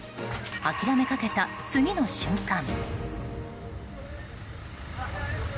諦めかけた次の瞬間。